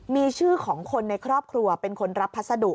มีชื่อของคนในครอบครัวเป็นคนรับพัสดุ